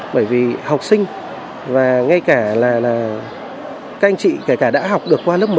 bởi vì học sinh và ngay cả là các anh chị kể cả đã học được qua lớp một